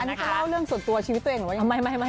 อันนี้จะเล่าเรื่องส่วนตัวชีวิตตัวเองหรือว่ายังไง